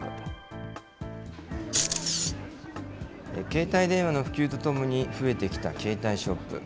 携帯電話の普及とともに、増えてきた携帯ショップ。